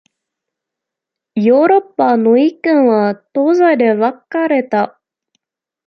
ヨーロッパの意見は東西で分かれた。